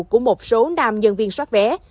của một số nam nhân viên xoát vé